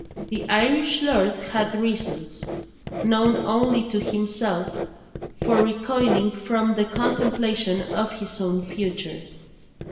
The Irish lord had reasons, known only to himself, for recoiling from the contemplation of his own future.